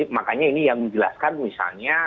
makanya ini yang menjelaskan misalnya